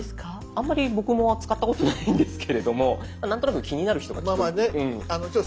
あんまり僕も使ったことないんですけれども何となく気になる人がきっと。